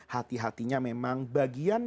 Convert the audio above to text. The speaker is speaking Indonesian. hati hatinya memang bagian